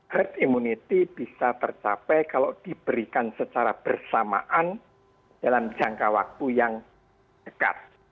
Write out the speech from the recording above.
herd immunity bisa tercapai kalau diberikan secara bersamaan dalam jangka waktu yang dekat